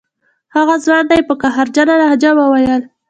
هغه ځوان ته یې په قهرجنه لهجه وویل.